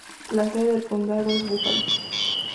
La sede del condado es Búfalo.